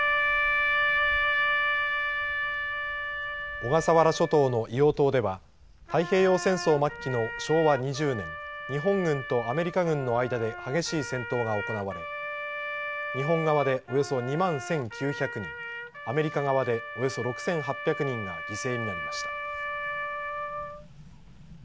小笠原諸島の硫黄島では太平洋戦争末期の昭和２０年日本軍とアメリカ軍の間で激しい戦闘が行われ日本側でおよそ２万１９００人アメリカ側でおよそ６８００人が犠牲になりました。